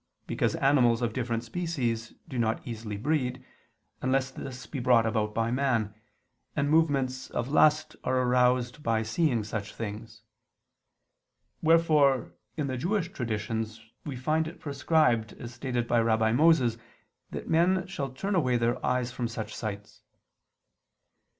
Because animals of different species do not easily breed, unless this be brought about by man; and movements of lust are aroused by seeing such things. Wherefore in the Jewish traditions we find it prescribed as stated by Rabbi Moses that men shall turn away their eyes from such sights.